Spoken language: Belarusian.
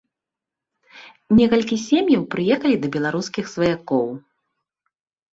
Некалькі сем'яў прыехалі да беларускіх сваякоў.